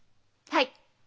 はい！